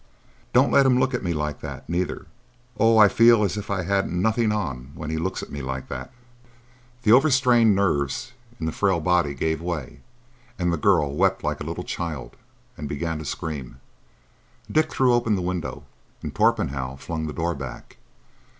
Don't let him look at me like that, neither! Oh, I feel as if I hadn't nothing on when he looks at me like that!" The overstrained nerves in the frail body gave way, and the girl wept like a little child and began to scream. Dick threw open the window, and Torpenhow flung the door back.